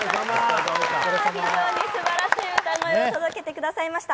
非常にすばらしい歌声を届けてくださいました